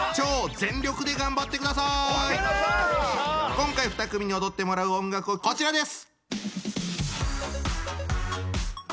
今回２組に踊ってもらう音楽はこちらです！